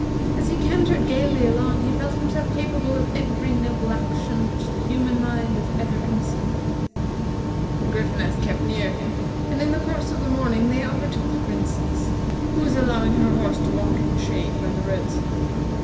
As he cantered gayly along, he felt himself capable of every noble action which the human mind has ever conceived. The Gryphoness kept near him, and in the course of the morning they overtook the Princess, who was allowing her horse to walk in the shade by the roadside.